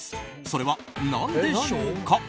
それは何でしょうか。